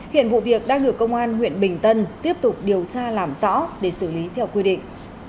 hiện vụ việc đang được công an huyện bình tân tiếp tục điều tra làm rõ để xử lý theo quy định